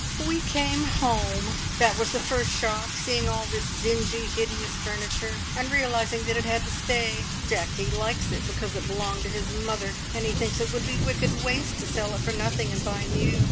"We came home! That was the first shock, seeing all this dingy, hideous furniture, and realising that it had to stay. Jacky likes it because it belonged to his mother, and he thinks it would be wicked waste to sell it for nothing, and buy new.